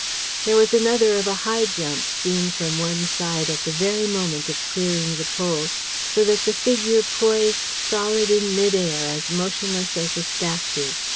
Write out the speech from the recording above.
There was another of a high jump, seen from one side at the very moment of clearing the pole, so that the figure poised solid in mid air as motionless as a statue.